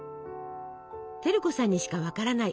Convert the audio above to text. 照子さんにしか分からない